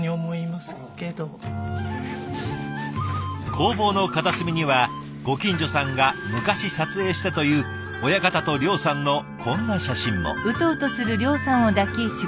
工房の片隅にはご近所さんが昔撮影したという親方と諒さんのこんな写真も。